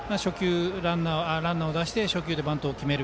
ランナーを出して初球でバントを決める。